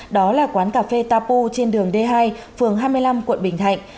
đó là quán cà phê tapo trên đường d hai phường hai mươi năm quận bình thạnh